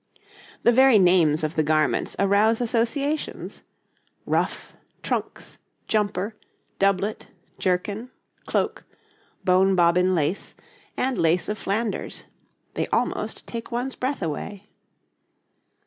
The very names of the garments arouse associations ruff, trunks, jumper, doublet, jerkin, cloak, bone bobbin lace, and lace of Flanders they almost take one's breath away.